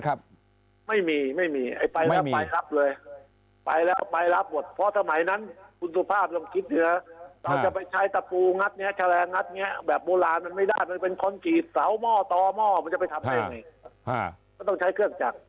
ก็ต้องใช้เครื่องจักร